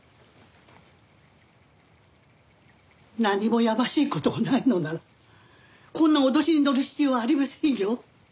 何もやましい事がないのならこんな脅しにのる必要はありませんよ。